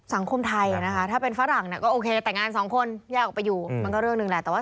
สังคมไทยนะคะถ้าเป็นฝรั่งก็โอเคแต่งงานสองคนแยกออกไปอยู่มันก็เรื่องหนึ่งแหละแต่ว่า